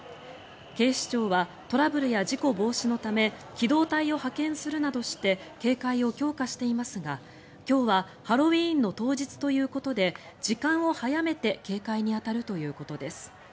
警視庁はトラブルや事故防止のため機動隊を派遣するなどして警戒を強化していますが今日はハロウィーンの当日ということで時間を早めて警戒に当たるということです。